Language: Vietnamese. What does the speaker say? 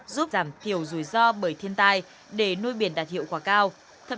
giúp giảm thiểu rủi ro bởi thiên tai để nuôi biển đạt hiệu quả kinh tế